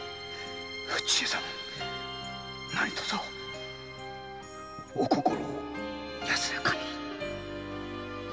千恵さん何とぞお心安らかに」